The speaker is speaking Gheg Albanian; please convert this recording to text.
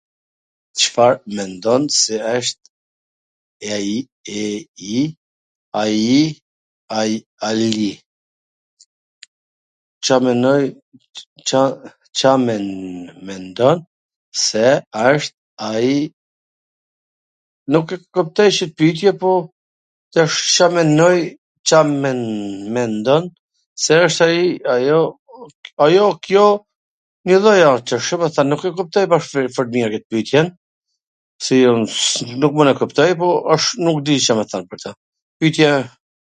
e, Ca mendoj se wsht i ai, .i ai un mendoj se asht... eee..... roboti, robot mendoj se jan kjo gja..., Ca me ba as nonj gja tjetwr tani qw kan dal gjonat, me punu dhe roboti , Ca me ba.... kshtu erdh jeta ...